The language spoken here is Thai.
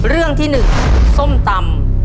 เรื่องที่๑ส้มตำ